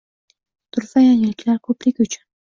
turfa yangiliklar ko‘pligi uchun